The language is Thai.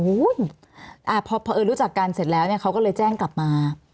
พอเอิญรู้จักกันเสร็จแล้วเนี่ยเขาก็เลยแจ้งกลับมา